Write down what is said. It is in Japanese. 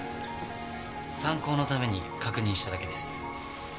参考のために確認しただけです。